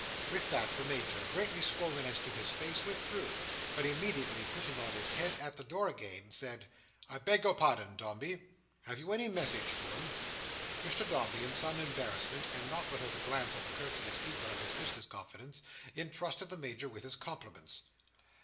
With that, the Major, greatly swollen as to his face, withdrew; but immediately putting in his head at the door again, said: "I beg your pardon. Dombey, have you any message to 'em?" Mr Dombey in some embarrassment, and not without a glance at the courteous keeper of his business confidence, entrusted the Major with his compliments.